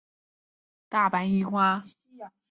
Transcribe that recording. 但香川真司仍留在大阪樱花。